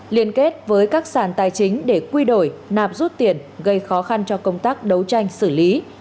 liên kết với các sàn tài chính để quy đổi nạp rút tiền gây khó khăn cho công tác đấu tranh xử lý